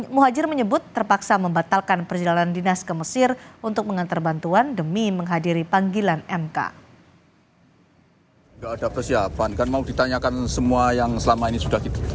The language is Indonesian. muhajir menyebut terpaksa membatalkan perjalanan dinas ke mesir untuk mengantar bantuan demi menghadiri panggilan mk